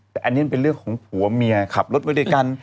แต่อันนี้มันเป็นเรื่องของผัวเมียขับรถมาด้วยกัน